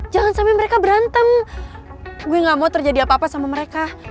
jangan sampai mereka berantem gue gak mau terjadi apa apa sama mereka